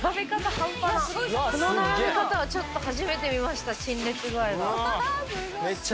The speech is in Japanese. この並べ方はちょっと初めて見ました陳列具合は。